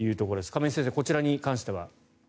亀井先生、こちらに関しては。